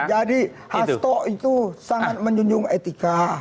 jadi hasto itu sangat menjunjung etika